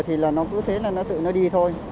thì là nó cứ thế là nó tự nó đi thôi